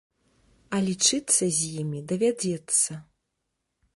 А лічыцца з імі давядзецца.